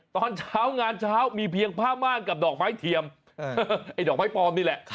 ตอนเช้างานเช้ามีเพียงผ้าม่านกับดอกไม้เทียมไอ้ดอกไม้ปลอมนี่แหละ